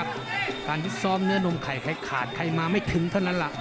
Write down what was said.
เพื่อนทดสอบเนื้อนมไขขาดใครไม่คริงถ้านั้นล่ะ